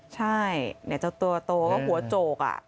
ใช่เดี๋ยวจะโตหัวโจก